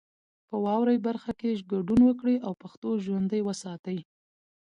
په واورئ برخه کې ګډون وکړئ او پښتو ژوندۍ وساتئ.